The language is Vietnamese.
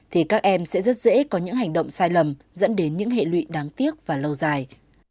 thì các em sẽ rất dễ có những hành động sai lầm dẫn đến những hệ lụy đáng tiếc và lâu dài